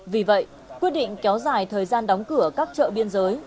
vì vậy quyết định kéo dài thời gian đóng cửa các chợ biên giới